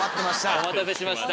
お待たせしました。